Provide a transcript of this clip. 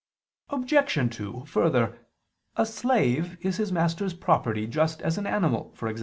Obj. 2: Further, a slave is his master's property, just as an animal, e.g.